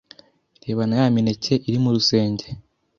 reba na ya mineke iri ku rusenge